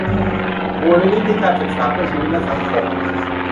มูลนิธิการศึกษาเพื่อชีวิตและสังคม